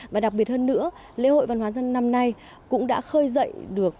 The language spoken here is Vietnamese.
và đặc biệt hơn nữa lễ hội văn hóa dân năm nay cũng đã khơi dậy được